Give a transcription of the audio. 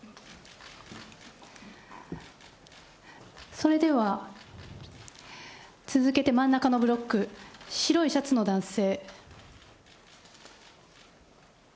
それでは続けて真ん中のブロック、白いシャツの男性。